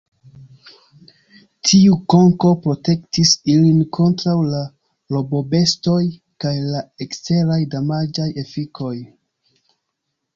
Tiu konko protektis ilin kontraŭ la rabobestoj kaj la eksteraj damaĝaj efikoj.